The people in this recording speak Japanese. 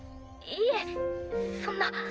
いえそんな。